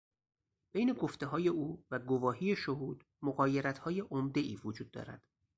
بین گفتههای او و گواهی شهود مغایرتهای عمدهای وجود دارد.